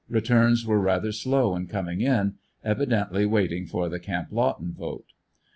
Returns were rather slow in coming in, evidently waiting for the Camp Lawton vote.